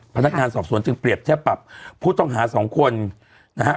พนักงานสอบสวนจึงเปรียบเทียบปรับผู้ต้องหาสองคนนะฮะ